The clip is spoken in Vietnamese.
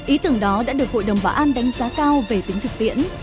ý tưởng đó đã được hội đồng bảo an đánh giá cao về tính thực tiễn